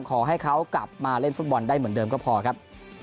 ขอให้เขากลับมาเล่นฟุตบอลได้เหมือนเดิมก็พอครับ